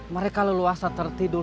mereka leluasa tertidur